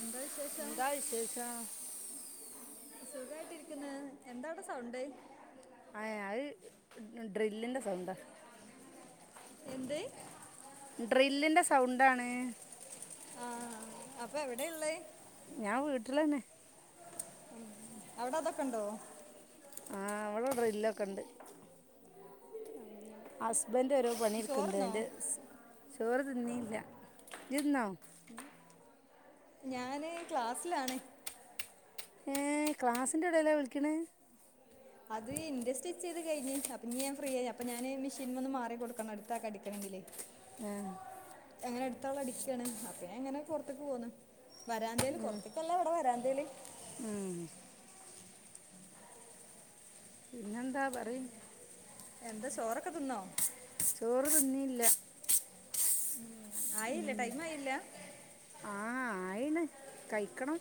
എന്താ വിശേഷം എന്താ വിശേഷം സുഖായിട്ടിരിക്കുന്ന് എന്താവട സൗണ്ട് ആ അത് ഡ്രില്ലിന്റെ സൗണ്ടാ എന്ത് ഡ്രില്ലിന്റെ സൗണ്ടാണ് അപ്പൊ എവിടെയുള്ളേ ഞാൻ വീട്ടിലന്നെ ഉ അവട അതൊക്കണ്ടോ ആ ഇവടെ ഡ്രില്ലൊക്കെണ്ട് ഹസ്ബൻഡ് ഒരോ പണിട്ക്ണ്ട് ചോർന്നോ അയിന്റ ചോറ് തിന്നീല്ല ഇജ്ന്നോ ഞാന് ക്ലാസ്സിലാണ് ഏ ക്ലാസിന്റെ എടെലാ വിളിക്ക്ണെ അത് ഇന്റെ സ്റ്റിച്ച് ചെയ്ത് കഴിഞ് അപ്പ ഞ്ഞി ഞാൻ ഫ്രീ ആയി അപ്പൊ ഞാന് മിഷീൻമ്മന്ന് മാറി കൊടുക്കണം അടുതാക്ക് അടിക്കണെങ്കി ഇല്ലെങ്കി ആ എങ്ങനെ അടുത്തവള അടിക്കുകയാണ് അപ്പ എങ്ങനെ പുറത്തേക്ക് പോന്നു വരാന്തേല് പുറത്തേക്കല്ല അവിടെ വരാന്ത്‌ ഉം പിന്നന്താ പറി എന്താ ചോറൊക്കെ തിന്നോ ചോറ് തന്നിയില്ല ഉം ആയില്ല ടൈം ആയില്ല ആ ആയിണ് കഴിക്കണം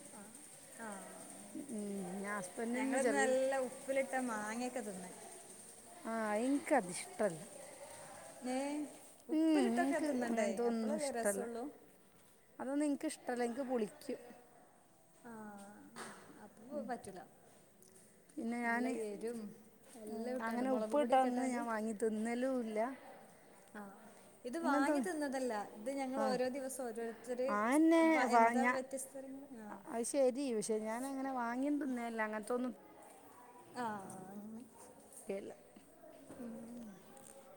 ഉം ഞാൻ ഹസ്ബൻഡിന് ഞങ്ങളൊന്ന ചെറിയൊരു നല്ല ഉപ്പിലിട്ടാ മാങ്ങിയൊക്കെ തിന്ന ആ ഇൻക അത് ഇഷ്ടല്ല ഉപ്പിലിട്ടൊക്കെ എനിക്ക് തിന്നണ്ടേ അങ്ങനത്തെ ഒന്നും എപ്പളല്ലേ രസള്ളു ട്ടല്ലെങ്കിൽ പൊളിക്കും ആ അപ്പൊ പോ പറ്റല പിന്നെ നല്ല ഞാന് എരും ഉം എല്ലാം ഇട്ടാണ്ട് അങ്ങനെ മുളക് ഉപ്പ് പൊടിയൊക്കെ ഇട്ടതൊന്നും ഇട്ടാണ്ട് ഞാൻ വാങ്ങി തിന്നലും ഇല്ല ആ ഇത് അങ്ങനത്തെ വാങ്ങി തിന്നതല്ല ഇത് ഞങ്ങൾ ആഹ് ഓരോ ദിവസം ഓരോരുത്തർ ആന്നെ വാ എന്താ ഞാ വ്യത്യസ് അത് ശരി പക്ഷെ ഞാന അങ്ങനെ വാങ്ങി തിന്നല്ല അങ്ങനത്തെന്നും ആ അല്ല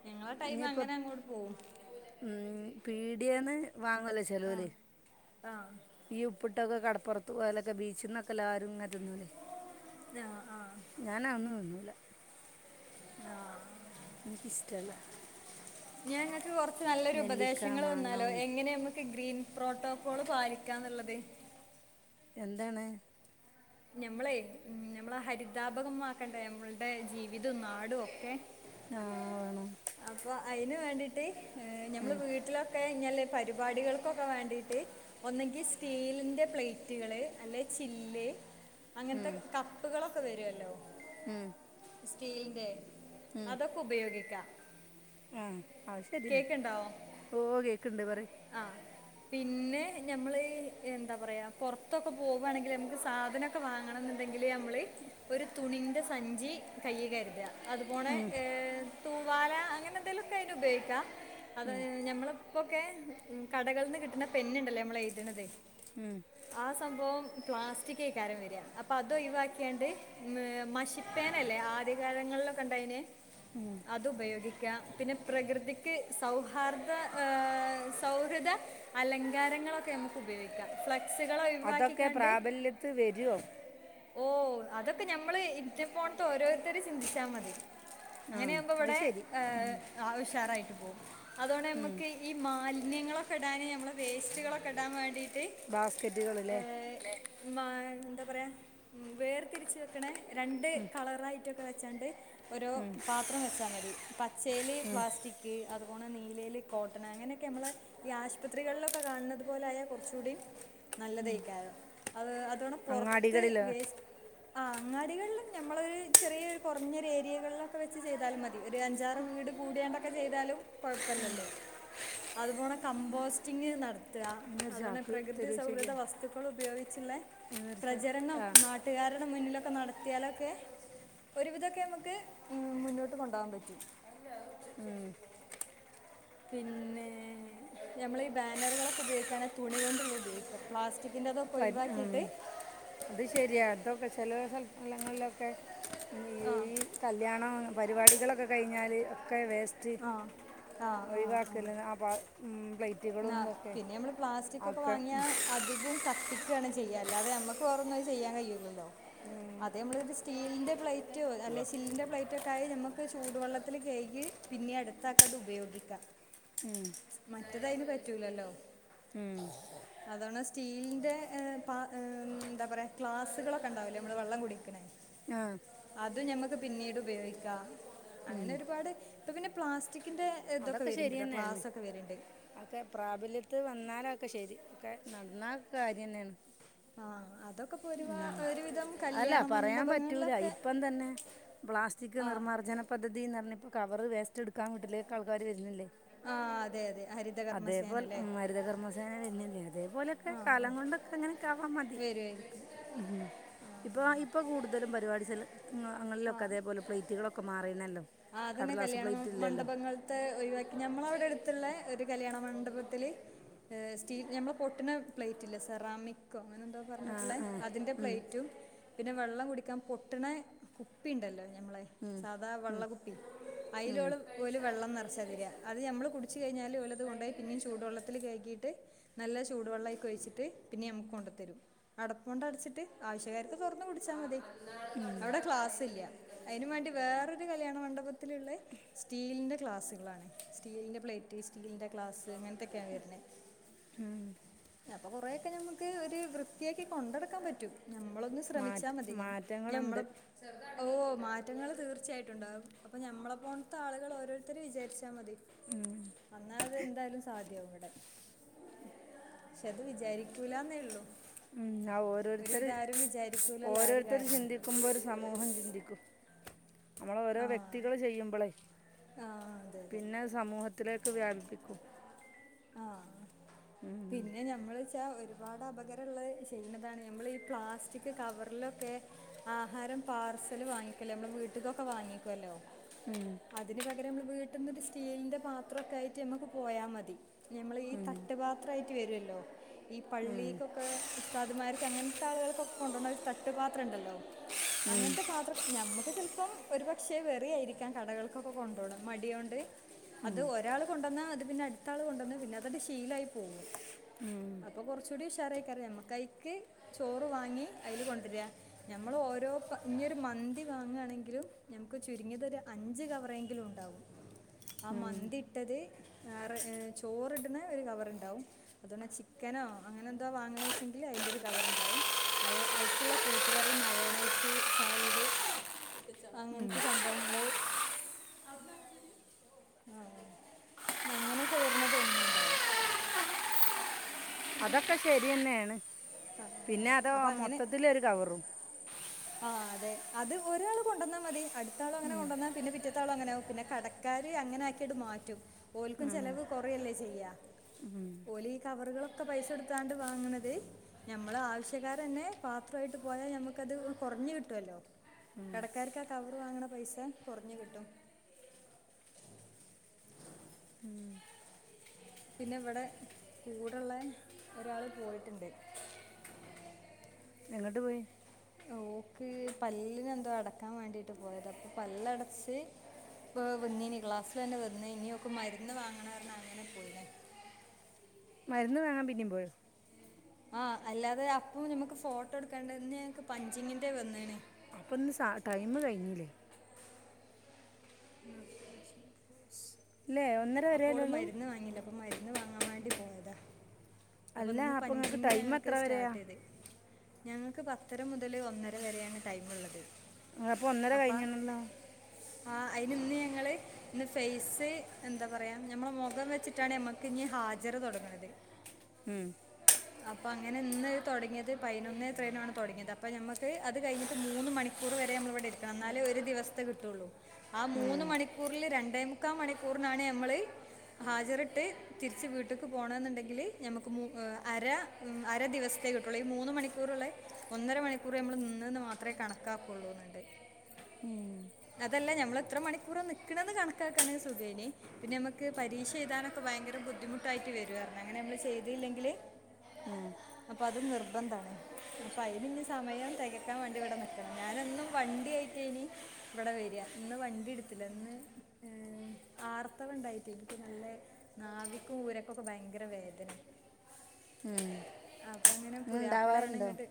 ഞങ്ങള ടൈമ അങ്ങനെ അങ്ങോട്ട് പോവും പീടിയന്ന് വാങ്ങല്ലേ ആ ചെലവല് ആ ആ ഈ ഉപ്പിട്ടൊക്കെ [unintelligible] പുറത്ത് പോയലൊക്കെ ബീച്ച്ന്നൊക്കെ [unintelligible] തിന്നൂല്ലേ ആ ഞാൻ ഞാനതൊന്നും തിന്നൂല ആഹ് എനിക്ക്ഷ്ടല്ല ഞാനിങ്ങൾക്ക് കുറച്ച് നല്ലൊരു ഉപദേശങ്ങൾ മാങ്ങ [unintelligible] ഒന്നും എങ്ങനെ നമുക്ക് ഗ്രീൻ പ്രോട്ടോക്കോള് പാലിക്കാന്നുള്ളത് എന്താണ് ഞമ്മളെ ഉ ഞമ്മള് ഹരിതാപകമാക്കണ്ടേ നമ്മളുടെ ജീവിതവും നാടും ഒക്കെ ആഹ് വേണം അപ്പോൾ അതിന് വേണ്ടിയിട്ട് ഞമ്മൾ ഉം വീട്ടിലൊക്കെ [unintelligible] പരിപാടികൾക്കൊക്കെ വേണ്ടിട്ട് ഒന്നങ്കിൽ സ്റ്റീലിന്റെ പ്ലേറ്റുകള് അല്ലെ ചില്ല് അങ്ങനത്തെ ഉം കപ്പുകളൊക്കെ വരുവല്ലോ ഉം സ്റ്റീലിൻന്റെ ഉം അതൊക്കെ ഉപയോഗിക്കാം ആഹ് ആശരിയാണ് ഓ കേക്കണ്ട് പറ ആഹ് പിന്നെ ഞമ്മൾ എന്താ പറയാ പുറത്തൊക്കെ പോകുവാണെങ്കിൽ നമുക്ക് സാധനമൊക്കെ വാങ്ങണന്ന് എന്തെങ്കിൽ ഞമ്മള് ഒരു തുണിന്റെ സഞ്ചി കയ്യി കരുതുക അതുപോണെ ഉം ഏ തൂവാല അങ്ങനെ എന്തെങ്കലുമൊക്കെ അതിന് ഉപയോഗിക്കാം അത് ഉം ഞമ്മള് അപ്പൊക്കെ കടകളിൽന്ന് കിട്ടുന്ന പെന്നുണ്ടല്ലോ നമ്മൾ എഴുതുന്നത് ഉം ആ സംഭവം പ്ലാസ്റ്റികേക്കാരം വരിയാ അപ്പൊ അത് ഒഴിവാക്കിയാണ്ട് മഷിപ്പേനല്ലേ ആദ്യകാലങ്ങളിൽ [unintelligible] അത് ഉപയോഗിക്കുക പിന്നെ പ്രകൃതിക്ക് സൗഹാർദ ഏ സൗഹൃദ അലങ്കാരങ്ങളൊക്കെ നമുക്ക് ഉപയോഗിക്കാം [unintelligible] സുകള് അതൊക്കെ ഒയിവാക്കിക്കണ്ട് പ്രാബല്യത്ത് വരോ ഓ അതൊക്കെ ഞമ്മള് ഇറ്റപോണത്തെ ഓരോരുത്തർ ചിന്തിച്ചാൽ മതി ആഹ് അങ്ങനെയാകുമ്പോ അത് ഇവിടെ ശരി [unintelligible] ഉഷാറായിട്ട് അതോടെ ഉം നമുക്ക് ഈ മാലിന്യങ്ങളൊക്കെ ഇടാന് നമ്മളെ വേസ്റ്റുകളൊക്കെ ഇടാൻ വേണ്ടിട്ട് ബാസ്ക്കറ്റുകള് ലേ [unintelligible] എന്താ പറയാ വേർതിരിച്ച് വെക്കണേ രണ്ട് കളറായിട്ട് വെചാണ്ട് ഓരോ ഉം പാത്രം വെച്ചാ മതി പച്ചേൽ പ്ലാസ്റ്റിക് പോണ നീലേല് കോട്ടൺ അങ്ങനേക്കെ നമ്മളെ ഈ ആശ്പത്രികളിലൊക്കെ കാണുന്നത് പോലൊയാ കൊറ്ച്ചുടി നല്ലതെകാരം അത് അതോടെ പോറ്ത്ത് അങ്ങാടികളിലോ വേസ് ആ അങ്ങാടികളിലും ഞമ്മള് ചെറിയൊരു കൊറ്ഞ്ഞൊരു ഏരിയകളിലൊക്കെ വെച്ച് ചെയ്താൽ മതി ഒരു അഞ്ചാറ് വീട് കൂടി [unintelligible] ചെയ്താലും കൊഴപ്പല്ലല്ലോ അതുപോണ കമ്പോസ്റ്റിംഗ് [unintelligible] [unintelligible] അയ്നൊരു അതുകൊണ്ട് ചാക്ക് പ്രകൃതി സൗഹൃദ തരോയ്ച്ചോക്ക്യാ വസ്തുക്കൾ ഉപയോഗിച്ള്ളെ അയ്നൊരു ചാക്ക് പ്രചരണം ആഹ് നാട്ടുകാ മുന്നിലോക്കെ നട ത്തിയാലൊക്കെ ഒരുവിധൊക്കെ നമ്മക്ക് മുന്നോട്ട് കൊണ്ടോവാൻ പറ്റും മ്ം പിന്നെ ഞമ്മളി ബാനറുകളൊക്കെ ഉപയോഗിക്കാണെ തുണി കൊണ്ടുള്ള ഉപയോഗിക്കാ പ്ലാസ്റ്റിക് [unintelligible] അത് ശരിയാ അതൊക്കെ ചില സ്ഥലങ്ങളിലൊക്കെ ആ ഈ കല്യാണം പരിപാടികളൊക്കെ കഴിഞ്ഞാല് ഒക്കെ വേസ്റ്റ് ആ ആ ആ ആ ഒഴിവാക്കല് ആ ആ പ്ലാപ്ലേറ്റുകളുംതോക്കെ [unintelligible] അതികും [unintelligible] [unintelligible] ചെയ്യാ അല്ലാതെ നമ്മക്ക് വെറൊന്നും അത് ചെയ്യാൻ കഴിയൂല്ലല്ലോ ഉം അത് നമ്മളോരു സ്റ്റീലിന്റെ പ്ലേറ്റ് [unintelligible] അല്ലെങ്ങി ചില്ലിൻ്റെ പ്ലേറ്റൊക്കായാ ഞമ്മക്ക് ചൂടു വെള്ളത്തിൽ കഴുകി പിന്നെ അടുത്താക്കത് ഉപയോഗിക്കാ ഉം മറ്റതയ്ന് പറ്റൂലല്ലോ ഉം സ്റ്റീലിന്റെ ഏ പ ന്താ പറയാ ഗ്ലാസുകളൊക്കെ ണ്ടാവില്ലേ മ്മള് വെള്ളം കുടിക്ണേ ആഹ് അത് ഞമ്മക്ക് പിന്നീട് ഉപയോഗിക്കാ അങ്ങനെ ഉം ഒരുപാട് ഇപ്പൊ പിന്നെ പ്ലാസ്റ്റിക് അതൊക്കെ ശരിയന്നെയാണ് വരുന്നുണ്ട് അക്കെ പ്രാബല്യത്തിൽ വന്നാലൊക്കെ ശരി വന്നാ കാര്യന്നേണ് ആ അതൊക്കെപ്പൊ ഒരുപാ ഒരുവിധം അല്ല കല്യാണ പറയാൻ മണ്ഡപങ്ങളിലൊക്കെ സ്റ്റിക് ആഹ് നിർമാർജന പദ്ധതിന്ന് പറഞ് കവറ് വേസ്റ്റ് എടുക്കാൻ വീട്ടിലേക്ക് ആൾക്കാര് വര്ണില്ലേ ആ അതെ അതെ ഹരിതക അതേപോലെഉം ഹരിത കർമ്മസേന വെര്നില്ലേ അതേപോലെക്കെ കാലം കൊണ്ടൊക്കെ അങ്ങനെക്കെ ആവാ മതി വരുവായിരിക്കും ഉം ഇപ്പൊ ഇപ്പ കൂടുതലും പരിപാടി ചെല അങ്ങളിലൊക്കെ അതേപോലെ പ്ലേറ്റുകളൊക്കെ മാറിണല്ലോ കടലാസ് പ്ലേറ്റ്ല്ലല്ലോ ത്തെ ഒഴിവാക്കി ഞമ്മളവിടെട്ത്ത്ള്ള ഒരു കല്യാണ മണ്ഡപത്തില് ഹേ സ്റ്റീ ഞമ്മളെ പൊട്ട്ണ പ്ലേറ്റ്ല്ലെ സെറാമിക് അങ്ങനെന്തോ ആ പറഞ്ഞിട്ട്ള്ളെ ആ അതിന്റെ ഉം പ്ലേറ്റും പിന്നെ വെള്ളം കുടിക്കാൻ പൊട്ട്ണ കുപ്പി ണ്ടല്ലോ ഞമ്മളെ ഉം സാധാ വെള്ള ഉം കുപ്പി ഉം അയ്ളോല് ഓല് വെള്ളം നിറ [unintelligible] അത് നമ്മള് കുടിച്ച് കഴിഞ്ഞാല് ഓലത് കൊണ്ടോയി പിന്നിം ചൂടുവെള്ളത്തില് കയ്കിട്ട് നല്ല ചൂടുവെള്ളം അയി ച്ചിട്ട് പിന്നെ ഞമ്മക്ക്‌ കൊണ്ടന്നു തരും അടപ്പോണ്ടടച്ചിട്ട് ആവശ്യകാർക് തോറന്ന് കുടിച്ചാ മതി അവിടെ ക്ലാസ്സില്ല അയ്നും വേണ്ടി വേറൊരു കല്യാണ മണ്ഡപത്തിലുള്ളെ സ്റ്റീലിന്റെ ക്ലാസ്സുകളാണ് സ്റ്റീലിന്റെ പ്ലേ സ്റ്റീലിന്റെ ക്ലാസ് ഇങ്ങൻത്തൊക്കെ വര്ണെ ഉം അപ്പോ കൊറെയൊക്കെ ഞമ്മക്ക് ഒരു വൃത്തിയാക്കി കൊണ്ടട്ക്കാൻ പറ്റും ഞമ്മളൊന്ന് മാറ്റ ശ്രമിച്ചാ മതി ഞ മാറ്റങ്ങളുണ്ട് ഞമ്മളും ഓ മാറ്റങ്ങൾ തീർച്ചയായിട്ടും ണ്ടാവും അപ്പൊ ഞമ്മളെ പോണ്ത്തെ ആളുകൾ ഓരോര്ത്തര് വിചാരിച്ചാ മതി ഉം അന്നാത് എന്തായാലും സാധ്യാവും ഇവെടെ ക്ഷെ അത് വിചാരിക്കൂലാന്നെ ഉള്ളു ഉം ആ ഓരോരുത്തര് വിചാരിക്കൂലല്ലോ ആ ഒരു ഓരോരുത്തര് കാരണം ചിന്തിക്കുമ്പോ സമൂഹം ചിന്തിക്കും നമ്മള് ഓരോ ആ വ്യക്തികള് ചെയ്യുമ്പളെ ആ അതെ അതെ പിന്നെ സമൂഹത്തിലെക്ക് വ്യാപിപ്പിക്കും ആ ഉം പിന്നെ ഞമ്മള് ച്ചാ ഒരുപാട് അപകരള്ളെ ചെയ്യ്ണതാണ് നമ്മളി പ്ലാസ്റ്റിക് കവറിലൊക്കെ ആഹാരം പാർസൽ വാങ്ങിക്കല്ലേ നമ്മൾ വീട്ടിക്കൊക്കെ വാങ്ങിക്കല്ലോ ഉം അതിന് പകരം മ്മള് വീട്ട്ന്നൊരു സ്റ്റീലിന്റെ പാത്രൊക്കെ ആയിട്ട് നമ്മക്ക് പോയാ മതി ഞമ്മൾ ഈ ഉം തട്ടുപാത്രആയിട്ട് വരു ല്ലോ ഈ ഉം പള്ളീക്കൊക്കെ ഉസ്താദ്മാർക്ക് അങ്ങൻത്തെ ആളുകൾക്കൊക്കെ കൊണ്ടൊണൊ ഒരു തട്ടുപാത്രണ്ടല്ലോ ഉം അങ്ങൻത്തെ പാത്ര ഞമ്മക്ക് ചെൽപ്പം ഒരു പക്ഷെ വെറി ആയിരിക്കും കടകൾക്കൊക്കെ കൊണ്ടോണെ മടികൊണ്ട് ഉം അത് ഒരാൾ കൊണ്ടന്നാ അത് പിന്നെ അടുത്താള് കൊണ്ടന്നു പിന്നെ അതങ്ങ് ശീലമായി പോവും ഉം അപ്പൊ കുറച്ചൂടി [unintelligible] ചോറ് വാങ്ങി അയിൽ കൊണ്ടെര് ഞമ്മളോരോ [unintelligible] ന്തി വാങ്ങആണെങ്കിലും ഞമ്മക്ക് ചുരുങ്ങിയതൊരു അഞ്ച് കവറെങ്കിലും ഉണ്ടാവും ആ ഉം മന്തി ഇട്ടത് ചോറിട്ണ ഒരു കവറ്.... ണ്ടും അതോ ചിക്കനോ അങ്ങനെ എന്തോ വാങ്ങണ വെച്ചെങ്കിൽ അതിന്റെ ഒരു കവർ ഉണ്ടാവും അയിക്ക്ള്ള കൂട്ടുകറി മയോണൈസ് സാലഡ് അങ്ങനത്തെ സംഭവങ്ങള് ആ അങ്ങനെയൊക്കെ വരുന്നത് ഒന്നും ഉണ്ടാവും. അതൊക്കെ ശരിയെന്നെണ് പിന്നെ അതു അപ്പം മൊത്തത്തിലൊരു കവറും ആഹ് അതെ അത് ഒരാൾ കൊണ്ടന്നാ മതി അടുത്താളും അങ്ങനെ ഉം കൊണ്ടന്ന പിന്നെ പിറ്റ... ത്താളും അങ്ങനെ ആവും പിന്നെ കടക്കാര് അങ്ങനെ ആക്കിയിട്ട് മാറ്റും ഓൽക്കും ഉം ചെലവ് കുറയല്ലേ ചെയ്യാ ഉം ഓലെ ഈ കവറുകളൊക്കെ പൈസ എടുത്താണ്ട് വാങ്ങണത് ഞമ്മള് ആവശ്യക്കാറെന്നെ ന്നെ പാത്രമായിട്ട് ട്പോയാൽ നമുക്കത് കുറഞ് കിട്ടുമല്ലോ കടക്കാർക്ക് ആ കവറ് വാങ്ങണ പൈസ കുറഞ് കിട്ടും ഉം പിന്നെ വിടെ കൂടുള്ളെ ഒരാള് പോയിട്ടുണ്ട് [unintelligible] എങ്ങട്ട് പോയി ഓക്ക് പല്ലിനെ ന്തോ അടക്കാൻ വേണ്ടിട്ട് പോയത പ്പൊ പല്ലടച്ച് ഇ പൊവന്നീനി ക്ലാസിലെന്നെ വന്നിനി ഓക്ക് മരുന്ന് വാങ്ങണ പറ അങ്ങനെ പോയി... [unintelligible] മരുന്ന് വാങ്ങാൻ പിന്നും പോയൊ? ആഹ അല്ലാതെ അപ്പൊ നമ്മുക്ക് ഫോട്ടോ എടുക്കാണ്ടന്നക്ക് പഞ്ചിങ്ങിന്റെ വന്നിണ്‌ അപ്പൊന്ന് സ ടൈം കഴിഞ്ഞില്ലേ? സ്സ് ഇല്ലേ ഒന്നര അപ്പോള് വരെയല്ലേള്ളൂ മരുന്ന് വാങ്ങില്ല അപ്പൊ മരുന്ന് വാങ്ങാൻ വേണ്ടി പോയതാ അപ്പൊ അല്ല ന്ന് നിങ്ങൾക്ക് പഞ്ചിങ് ടൈം ഞങ്ങക്ക് എത്ര വരെയാ സ്റ്റാർട്ട് ചെയ്ത് ഞങ്ങൾക്ക് പത്തര മുതൽ ഒന്നര വരെയാണ് ടൈമുള്ളത് ആ അപ്പൊ ഒന്നര കഴിഞ്ഞ....... [unintelligible] ല്ലോ ആ അയിനിന്ന് ഞങ്ങള് ന്ന് ഫേസ് ന്താ പറയാ ഞമ്മള മുഖം വെച്ചിട്ടാണ് മ്മക്ക് ഇനി ഹാജർ തുടങ്ങണത് ഉം അപ്പോങ്ങനെ ഇന്ന് തുടങ്ങിയത് പയിനൊന്നെ ത്രെയിനാണ് തുടങ്ങിയത് അപ്പോനമുക്ക് അത് കഴിഞ്ഞിട്ട് മൂന്ന് മണിക്കൂർ വര നമ്മള ഇടെരിക്കണം ന്നലെ ഒരു ദിവസത്തെ കിട്ടുള്ളൂ ആ ഉം മൂന്ന് മണിക്കൂറില് രണ്ടേമുക്കാ മണിക്കൂറിനാണ് നമ്മള് ഹാജറിട്ട് തിരിച്ച് വീട്ടിക്ക് പോണന്നുണ്ടെങ്കിൽ ഞമുക്ക് മു അര അര ദിവസത്തേ കിട്ടുള്ളൂ ഈ മൂന്ന് മണിക്കൂറുള്ളേ ഒന്നര മണിക്കൂർ നമ്മൾ നിന്ന്ന്ന് മാത്രമേ കാണ കാക്കുള്ളുന്നുണ്ട് ഉം അതല്ല ഞമ്മൾ എത്ര മണിക്കൂർ നി ക്കണന്ന് കണക്കാക്കാണ് സുഖേനി പിന്നെ നമുക്ക് പരീക്ഷ എഴുതാനൊക്കെ ഭയ ഭയങ്കര ബുദ്ധിമുട്ടായിട്ട് വരുവാർന്നു അങ്ങനെ നമ്മള് ചെയ്തീല്ലെങ്കില് ഉം അപ്പൊ അത് നിർബന്ധണ അപ്പൊ അയിനി ഇനി സമയം തികക്കാൻ വേണ്ടി ഇവിടെ നിക്കണം ഞാനെന്നും വണ്ടി വണ്ടി ആയിട്ടേനി ഇവിടെ വരിഅ ഇന്ന് വണ്ടി എടുത്തില്ല ഇന്ന്... ആർത്തവ ഉണ്ടായിട്ട് എനിക്ക് നല്ല നാവിക്കും ഊരക്കൊക്കെ ഭയങ്കര വേദന. ഉം അപ്പൊ അങ്ങനെ ഇങ്ങനെ പുതിയാപ്പളയാണ് ഇണ്ടാവാറുണ്ടോ ഇങ്ങോട്ട്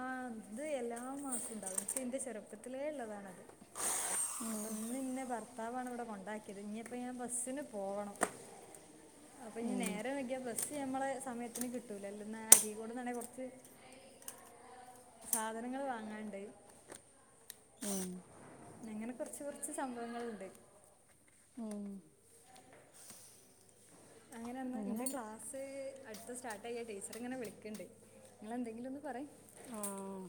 ആ അത് എല്ലാ മാസും ഉണ്ടാവും എനിക്ക് എന്റെ ചെറുപ്പത്തിലേ ഉള്ളതാണത്. അപ്പൊ ഇന്ന് ഇന്നെ ഭർത്താവാണ് ഇവിടെ കൊണ്ടാക്കിയത് ഇനിയിപ്പ ഞാൻ ബസ്ന് പോവണം. അപ്പ ഇനി ഉം നേരം വൈകിയാൽ ബസ് ഞമ്മളെ സമയത്ത് ത്തിന് കിട്ടൂല ലോ അരിക്കോട് ന്നന്നെ കുറച്ചു. സാധനങ്ങൾ വാങ്ങാണ്ട്. ഉം എങ്ങനെ കൊറച് കുറച്ച് സംഭവങ്ങൾണ്ട്. ഉം അങ്ങനെന്ന് അങ്ങനെ എന്റെ ക്ലാസ് അടുത്ത് സ്റ്റാർട്ട് ചെയ്യാ ടീച്ചർ ഇങ്ങനെ വിളിക്കുന്നുണ്ട് നിങ്ങങ്ങളെന്തെങ്കിലും ഒന്ന് പറ ആഹ്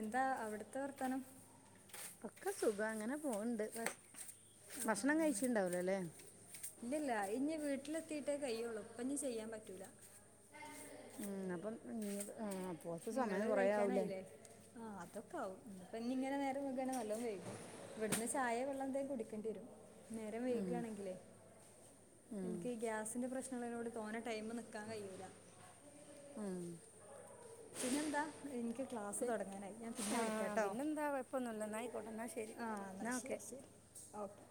എന്താ അവിടത്തെ വർത്താനം. ഒക്കെ സുഖം അങ്ങനെ പോവുണ്ട് ന്ന് ഭക്ഷണം കഴിച്ചിട്ടുണ്ടാവില്ലല്ലേ ഇല്ലല്ല ഇനി വീട്ടിലെത്തിട്ടേ കയ്യോള്ളു ഇപ്പ ഇനി ചെയ്യാൻ പറ്റൂല. ഉം അപ്പം [unintelligible] നിങ്ങള് സമയം കൊറേ ആവൂലേ കഴിക്കാനായില്ലേ ആ ഇതൊക്കെ ആവും ഇപ്പോ ഇങ്ങനെ നേരം വൈകാണെകിൽ നല്ലോണം വൈകും ഇവിടുന്ന് ചായ വെള്ളം എന്തെങ്കിലും കുടിക്കേണ്ടി വരും. നേരം ഉം വൈകയാണെങ്കിലേ ഉം എനിക്ക് ഈ ഗ്യാസിന്റെ പ്രശ്നഉള്ളതിനെകൊണ്ട് തോനെ ടൈം നിക്കാൻ കയ്യൂല. ഉം പിന്നെന്താ എനിക്ക് ക്ലാസ് തുടങ്ങാനായി ഞാൻ പിന്നെ ആഹ് വിളിക്കാട്ടോ പിന്നെന്താ കുഴപ്പൊന്നുല്ല എന്നാ ആയിക്കോട്ടെ എന്നാ ശരി ആഹ എന്ന എന്നാൽ എന്നാ ഓക്കെ ശരി ശരി ഓക്കെ.